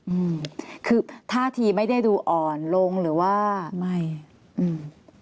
อืมคือท่าทีไม่ได้ดูอ่อนลงหรือว่าไม่อืม